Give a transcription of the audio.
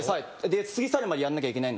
過ぎ去るまでやんなきゃいけないので。